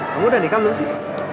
kamu udah nikah belum sih